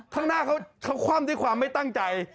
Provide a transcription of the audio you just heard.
ข้างหน้าเขาคว่ำด้วยความไม่ตั้งใจ